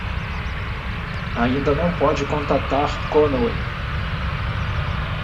Ainda não pode contatar Conway.